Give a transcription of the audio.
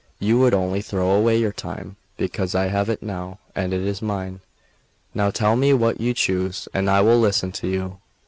You would only throw away your time, because I have it now, and it is mine. Now tell me what you choose, and I will listen to you."